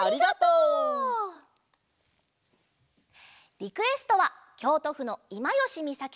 リクエストはきょうとふのいまよしみさき